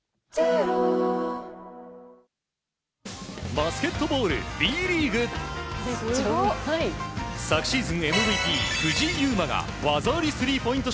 バスケットボールＢリーグ。昨シーズンＭＶＰ、藤井祐眞が技ありスリーポイント